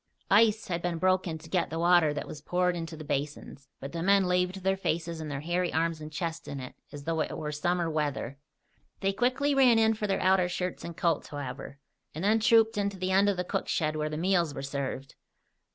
Ice had been broken to get the water that was poured into the basins, but the men laved their faces and their hairy arms and chests in it as though it were summer weather. They quickly ran in for their outer shirts and coats, however, and then trooped in to the end of the cook shed where the meals were served.